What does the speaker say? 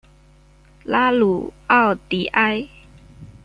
拉鲁奥迪埃。